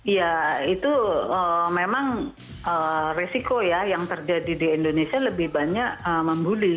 ya itu memang resiko ya yang terjadi di indonesia lebih banyak membuli